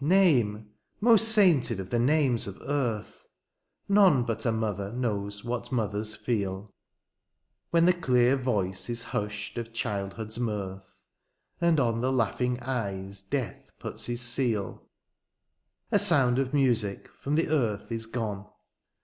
name^ most sainted of the names of earth ; None but a mother knows what mothers feel^ When the clear voice is hushed of childhood's mirth ; And on the laughing eyes death puts his seal : A sound of music from the earth is gone.